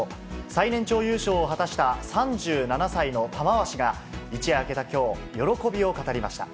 最年長優勝を果たした３７歳の玉鷲が、一夜明けたきょう、喜びを語りました。